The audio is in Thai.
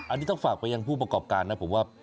อันนี้ต้องฝากไปยังผู้ประกอบการนะผมว่า